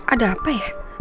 ada apa ya